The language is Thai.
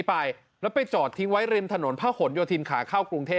ไปแล้วไปจอดทิ้งไว้ริมถนนพระหลโยธินขาเข้ากรุงเทพ